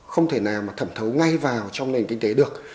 không thể nào mà thẩm thấu ngay vào trong nền kinh tế được